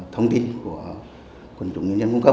thông tin của quân chủ nguyên nhân cung cấp